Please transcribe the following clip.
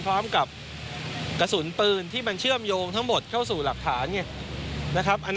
พร้อมกับกระสุนปืนที่มันเชื่อมโยงทั้งหมดเข้าสู่หลักฐานไงนะครับ